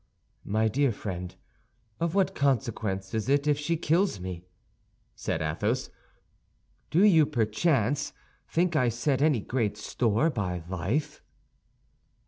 "My dear friend, of what consequence is it if she kills me?" said Athos. "Do you, perchance, think I set any great store by life?"